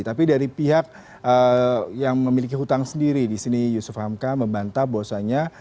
tapi dari pihak yang memiliki hutang sendiri disini yusuf hamka membantah bahwasanya